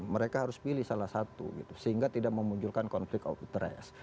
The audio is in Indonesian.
mereka harus pilih salah satu sehingga tidak memunculkan konflik of interest